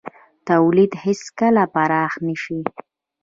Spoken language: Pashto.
تولید هېڅکله پراخ نه شي.